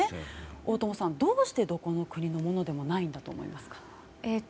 大友さん、どうしてどこの国のものではないと思いますか。